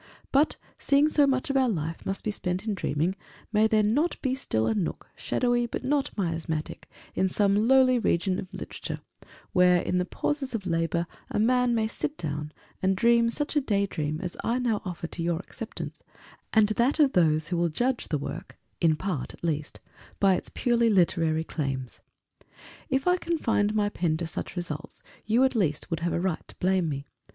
But, seeing so much of our life must be spent in dreaming, may there not be a still nook, shadowy, but not miasmatic, in some lowly region of literature, where, in the pauses of labour, a man may sit down, and dream such a day dream as I now offer to your acceptance, and that of those who will judge the work, in part at least, by its purely literary claims? If I confined my pen to such results, you, at least, would have a right to blame me.